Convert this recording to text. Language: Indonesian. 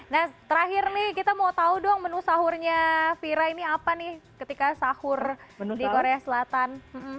nah terakhir nih kita mau tahu dong menu sahurnya vira ini apa nih ketika sahur di korea selatan